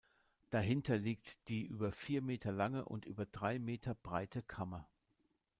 Dahinter liegt die über vier Meter lange und über drei Meter breite Kammer.